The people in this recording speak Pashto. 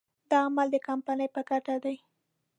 دا عمل د کمپنۍ په ګټه دی.